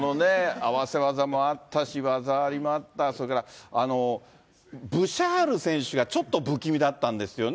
合わせ技もあったし、技ありもあった、それからブシャール選手がちょっと不気味だったんですよね。